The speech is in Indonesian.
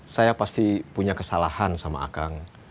saya pasti punya kesalahan sama akang